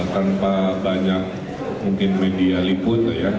tanpa banyak mungkin media liputan ya